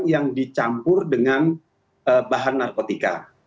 yang dicampur dengan bahan narkotika